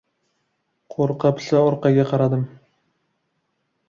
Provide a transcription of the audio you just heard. Qo‘rqa-pisa orqaga qaradim.